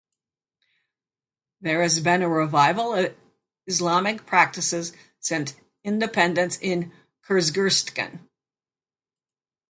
There has been a revival of Islamic practices since independence in Kyrgyzstan.